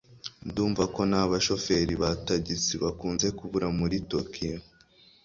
Ndumva ko nabashoferi ba tagisi bakunze kubura muri Tokiyo